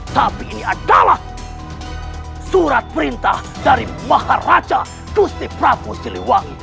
tapi ini adalah surat perintah dari maharaja gusti prabu siliwangi